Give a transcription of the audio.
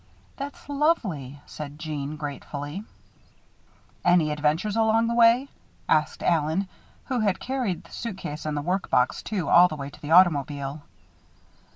"That's lovely," said Jeanne, gratefully. "Any adventures along the way?" asked Allen, who had carried the suitcase and the work box, too, all the way to the automobile.